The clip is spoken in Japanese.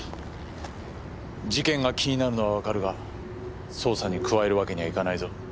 事件が気になるのはわかるが捜査に加えるわけにはいかないぞ。